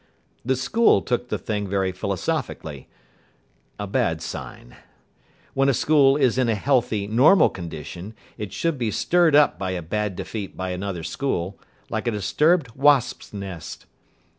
The school took the thing very philosophically a bad sign. When a school is in a healthy, normal condition, it should be stirred up by a bad defeat by another school, like a disturbed wasps' nest.